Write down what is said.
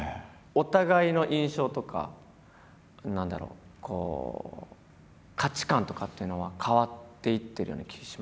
お互いの印象とか何だろう価値観とかっていうのは変わっていってるような気します？